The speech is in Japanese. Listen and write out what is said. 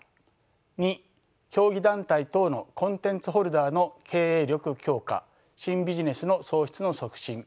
２競技団体等のコンテンツホルダーの経営力強化新ビジネスの創出の促進。